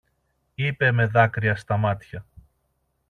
είπε με δάκρυα στα μάτια.